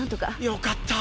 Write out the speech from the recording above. よかった。